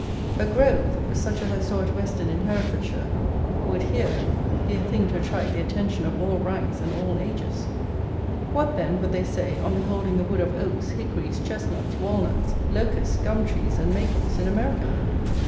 A grove, such as I saw at Weston in Herefordshire, would, here, be a thing to attract the attention of all ranks and all ages. What, then, would they say, on beholding a wood of Oaks, Hickories, Chestnuts, Walnuts, Locusts, Gum trees, and Maples in America!